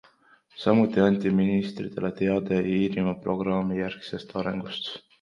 Samuti anti ministritele teada Iirimaa programmijärgsest arengust.